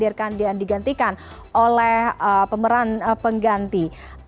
dihadirkan dan digantikan oleh pemeran pengganti